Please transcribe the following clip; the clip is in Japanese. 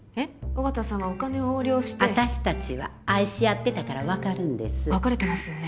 緒方さんはお金を横領して私達は愛し合ってたから分かるんです別れてますよね？